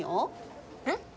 えっ？